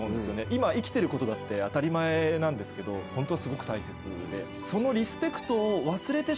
今生きてることだって当たり前なんですけどホントはすごく大切でその。